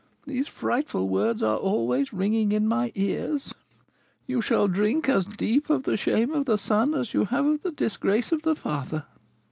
These frightful words are always ringing in my ears: 'You shall drink as deep of the shame of the son as you have of the disgrace of the father!'"